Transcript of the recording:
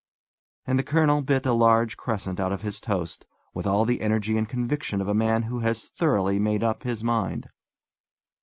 And the colonel bit a large crescent out of his toast, with all the energy and conviction of a man who has thoroughly made up his mind.